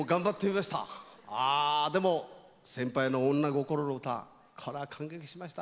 あでも先輩の女心の歌これは感激しました。